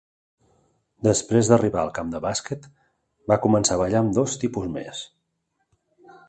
Després d'arribar al camp de bàsquet, va començar a ballar amb dos tipus més.